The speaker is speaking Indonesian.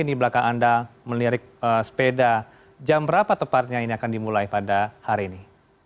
di belakang anda melirik sepeda jam berapa tepatnya ini akan dimulai pada hari ini